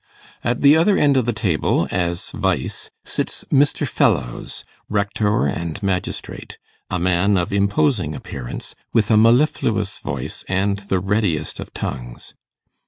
At the other end of the table, as 'Vice', sits Mr. Fellowes, rector and magistrate, a man of imposing appearance, with a mellifluous voice and the readiest of tongues.